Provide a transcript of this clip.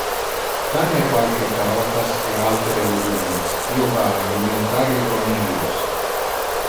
Da me qualque carotas e altere legumines, io va a alimentar le conilios.